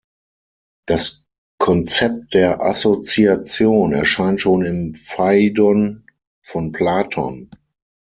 Das „Konzept der Assoziation“ erscheint schon im "Phaidon" von Platon.